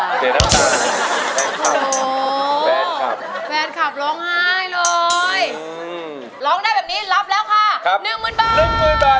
ร้องได้แบบนี้รับแล้วค่ะนึ่งหมื่นบ้าน